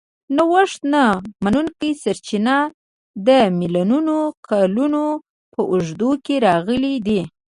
نوښت نه منونکي سرچینې د میلیونونو کالونو په اوږدو کې راغلي دي.